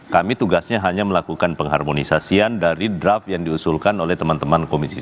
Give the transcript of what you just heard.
kami tugasnya hanya melakukan pengharmonisasian dari draft yang diusulkan oleh teman teman komisi tiga